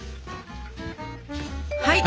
はい！